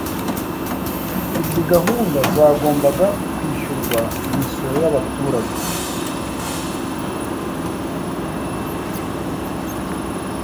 Izi gahunda zagombaga kwishyurwa imisoro yabaturage.